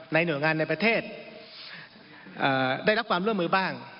หน่วยงานในประเทศได้รับความร่วมมือบ้าง